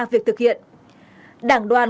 việc thực hiện đảng đoàn